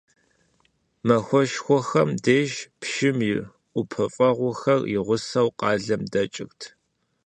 Махуэшхуэхэм деж пщым и ӀупэфӀэгъухэр и гъусэу къалэм дэкӀырт.